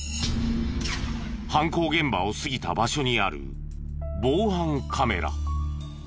犯行現場を過ぎた場所にある防犯カメラ。